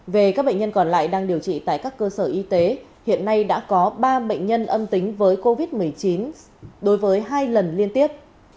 về các bệnh nhân còn lại đang điều trị tại các cơ sở y tế hiện nay đã có ba bệnh nhân âm tính với covid một mươi chín đối với hai lần liên tiếp